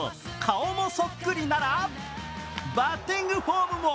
顔もそっくりならバッティングフォームも。